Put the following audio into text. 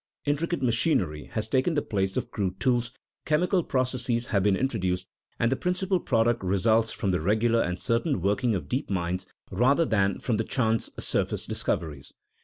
Intricate machinery has taken the place of crude tools, chemical processes have been introduced, and the principal product results from the regular and certain working of deep mines rather than from chance surface discoveries.